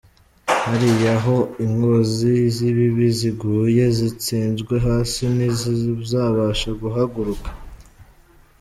Hariya aho inkozi z’ibibi ziguye, Zitsinzwe hasi ntizizabasha guhaguruka.